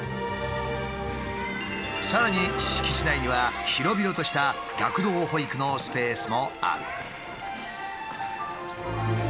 さらに敷地内には広々とした学童保育のスペースもある。